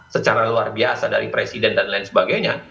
secara luar biasa dari presiden dan lain sebagainya